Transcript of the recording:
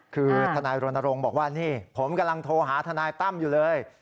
คือทนายรณรงค์บอกว่านี่ผมกำลังโทรหาทนายตั้มอยู่เลย